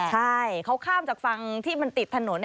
ใช่เขาข้ามจากฝั่งที่มันติดถนน